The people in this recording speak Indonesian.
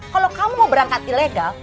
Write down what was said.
kalau kamu mau berangkat ilegal